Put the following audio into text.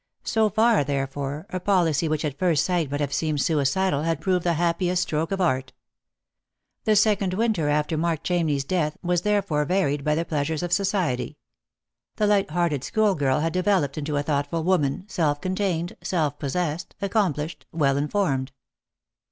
So far, therefore, a policy which at first sight might have seemed suicidal had proved the happiest stroke of art. The second winter after Mark Chamney's death was therefore varied by the pleasures of society. The light hearted schoolgirl had developed into a thoughtful woman, self contained, self possessed, accomplished, well informed.